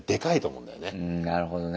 うんなるほどね。